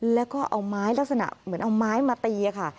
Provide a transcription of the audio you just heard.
แล้วก็เอาไม้ลักษณะเหมือนเอาไม้มาตีค่ะ